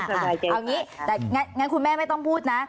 เอาอย่างนี้แต่งั้นคุณแม่ไม่ต้องพูดนะ